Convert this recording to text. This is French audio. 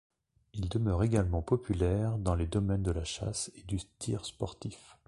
Il demeure également populaire dans les domaines de la chasse et du tir sportif.